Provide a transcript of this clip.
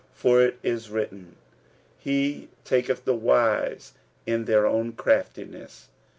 For it is written, He taketh the wise in their own craftiness.